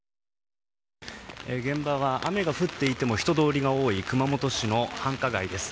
現場は、雨が降っていても人通りが多い熊本市の繁華街です。